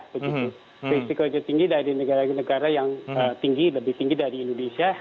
risikonya tinggi dari negara negara yang tinggi lebih tinggi dari indonesia